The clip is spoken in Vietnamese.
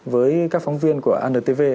với các phóng viên của antv